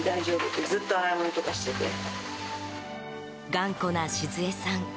頑固な静恵さん。